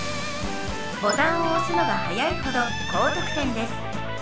ボタンを押すのが早いほど高得点です。